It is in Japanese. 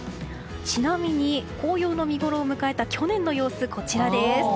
ちなみに紅葉の見ごろを迎えた去年の様子はこちらです。